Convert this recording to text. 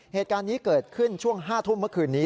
เหตุการณ์นี้เกิดขึ้นช่วง๕ทุ่มเมื่อคืนนี้